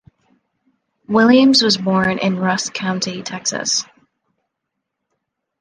Williams was born in Rusk County, Texas.